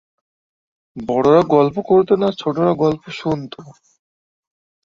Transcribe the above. জেলাটি মূলত পাকিস্তান সীমানা ঘিরে গঠিত হয়েছে।